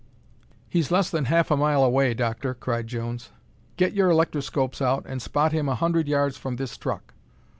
"He's less than half a mile away, Doctor!" cried Jones. "Get your electroscopes out and spot him a hundred yards from this truck."